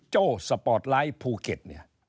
โจ้สปอร์ตไลท์ภูเก็ต